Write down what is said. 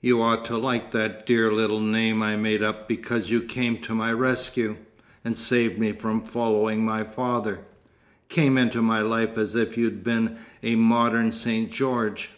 "You ought to like that dear little name I made up because you came to my rescue, and saved me from following my father came into my life as if you'd been a modern St. George.